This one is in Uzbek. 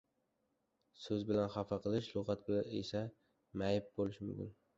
— So‘z bilan xafa qilish, lug‘at bilan esa mayib qilish mumkin.